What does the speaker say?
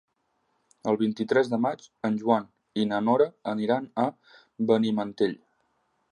El vint-i-tres de maig en Joan i na Nora aniran a Benimantell.